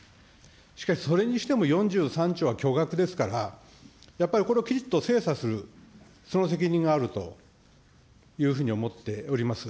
しかし、それにしても４３兆は巨額ですから、やっぱりこれをきちっと精査する、その責任があるというふうに思っております。